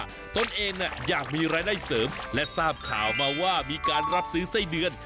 ตนเองอยากมีรายได้เสริมและทราบข่าวมาว่ามีการรับซื้อไส้เดือน